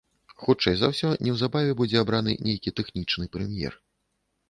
Хутчэй за ўсё, неўзабаве будзе абраны нейкі тэхнічны прэм'ер.